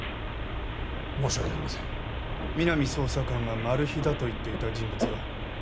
申し訳ありません皆実捜査官がマル被だと言っていた人物は？